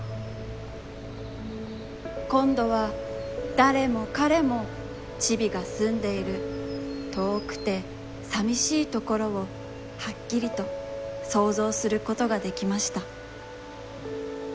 こんどはだれもかれも、ちびがすんでいる、とおくてさみしいところをはっきりとそうぞうすることができました。